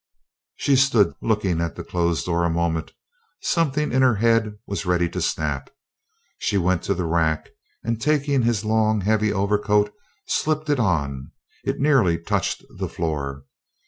She stood looking at the closed door a moment. Something in her head was ready to snap. She went to the rack and taking his long heavy overcoat slipped it on. It nearly touched the floor.